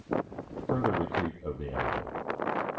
Further Retreat of the Enemy.